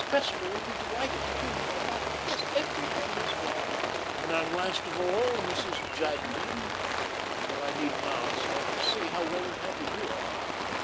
Cressler will be delighted to hear you are back. Yes, everybody is well." "And, last of all, Mrs. Jadwin? But I needn't ask; I can see how well and happy you are."